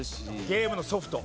ゲームのソフト。